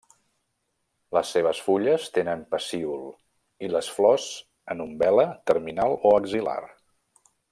Les seves fulles tenen pecíol i les flors en umbel·la terminal o axil·lar.